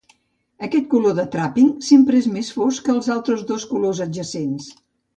Aquest color de "trapping" sempre és més fosc que els altres dos colors adjacents.